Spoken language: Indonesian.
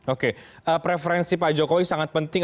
oke preferensi pak jokowi sangat penting